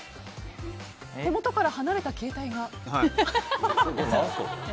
手元から離れた携帯が。